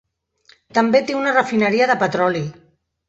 També té una refineria de petroli.